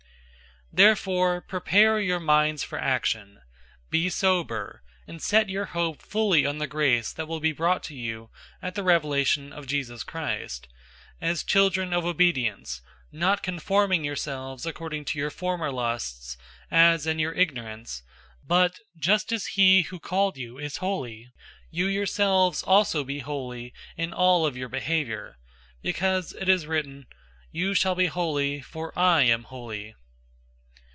001:013 Therefore, prepare your minds for action,{literally, "gird up the waist of your mind"} be sober and set your hope fully on the grace that will be brought to you at the revelation of Jesus Christ 001:014 as children of obedience, not conforming yourselves according to your former lusts as in your ignorance, 001:015 but just as he who called you is holy, you yourselves also be holy in all of your behavior; 001:016 because it is written, "You shall be holy; for I am holy."